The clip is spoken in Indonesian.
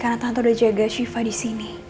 karena tante udah jaga siva disini